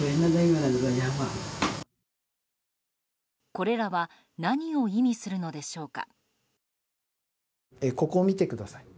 これらは何を意味するのでしょうか？